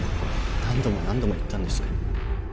何度も何度も言ったんです